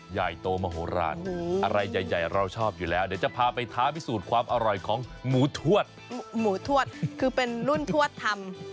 ใหญ่โตมโหลานอะไรใหญ่เราชอบอยู่แล้วเดี๋ยวจะพาไปท้าพิสูจน์ความอร่อยของหมูทวดหมูทวดคือเป็นรุ่นทวดธรรม